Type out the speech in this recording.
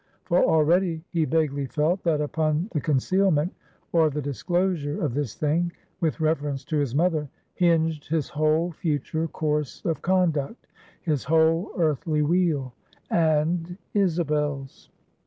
For already he vaguely felt, that upon the concealment, or the disclosure of this thing, with reference to his mother, hinged his whole future course of conduct, his whole earthly weal, and Isabel's.